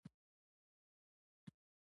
دا د اقتصادي همکاریو پایلې په اسانۍ روښانه کوي